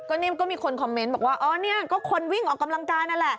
นิ่มก็มีคนคอมเมนต์บอกว่าอ๋อเนี่ยก็คนวิ่งออกกำลังกายนั่นแหละ